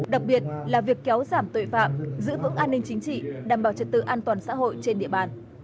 đặc biệt là việc kéo giảm tội phạm giữ vững an ninh chính trị đảm bảo trật tự an toàn xã hội trên địa bàn